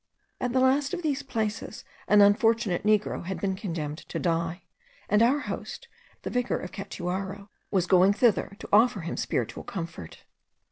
At the last of these places an unfortunate negro had been condemned to die, and our host, the vicar of Catuaro, was going thither to offer him spiritual comfort.